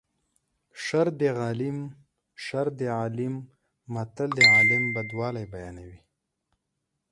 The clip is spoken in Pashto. شر د عالیم شر د عالیم متل د عالم بدوالی بیانوي